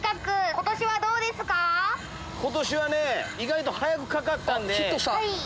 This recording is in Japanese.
今年はね意外と早くかかったんで。